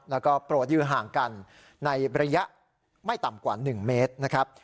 แล้วก็โปรดยืนห่างกันในระยะไม่ต่ำกว่า๑เมตรนะครับ